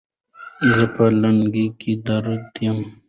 زما په لنګې درد دي